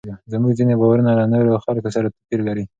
زموږ ځینې باورونه له نورو خلکو سره توپیر لري.